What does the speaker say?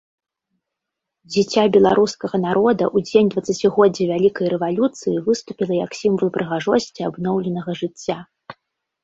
Дзіця беларускага народа ў дзень дваццацігоддзя вялікай рэвалюцыі выступіла як сімвал прыгажосці абноўленага жыцця.